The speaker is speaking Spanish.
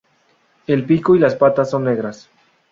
El pico y las patas son negras.